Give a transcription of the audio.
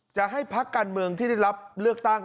จะให้พักการเมืองที่ได้รับเลือกตั้ง